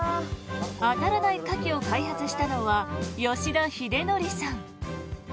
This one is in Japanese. あたらないカキを開発したのは吉田ひで則さん。